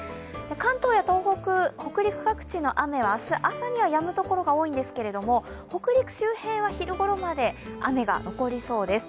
関東や東北、北陸各地の雨は明日朝にはやむ所が多いんですけれども、北陸周辺は昼ごろまで雨が残りそうです。